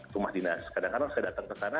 rumah dinas kadang kadang saya datang ke sana